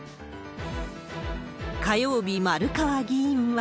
火曜日、丸川議員は。